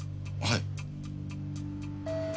はい。